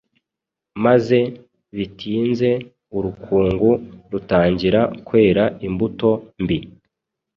maze bitinze urukungu rutangira kwera imbuto mbi.